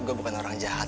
gue bukan orang jahat